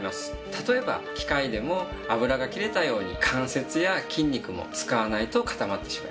例えば機械でも油が切れたように関節や筋肉も使わないと固まってしまいます。